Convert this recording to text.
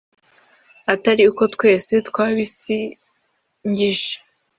Atari uko twese twabisingije